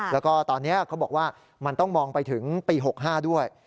แล้วก็ตอนนี้เขาบอกว่ามันต้องมองไปถึงปี๖๕ด้วย